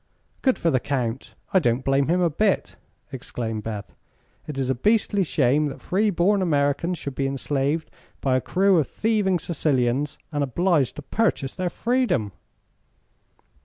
"Good for the Count! I don't blame him a bit," exclaimed Beth. "It is a beastly shame that free born Americans should be enslaved by a crew of thieving Sicilians, and obliged to purchase their freedom!"